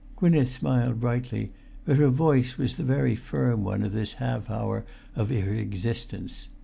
Gwynneth smiled brightly; but her voice was the very firm one of this half hour of her existence.